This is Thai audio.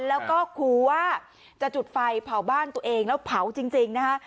แล้วก็ครูว่าจะจุดไฟเผาบ้านตัวเองแล้วเผาจริงนะคะ